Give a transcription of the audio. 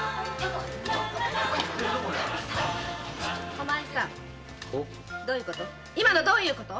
お前さんどういうこと？